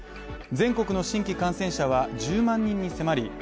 全国の新規感染者は１０万人に迫り